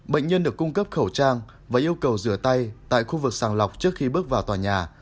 bệnh nhân được cung cấp khẩu trang và yêu cầu rửa tay tại khu vực sàng lọc trước khi bước vào tòa nhà